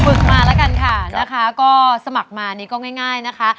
มาแล้วกันค่ะนะคะก็สมัครมานี่ก็ง่ายนะคะ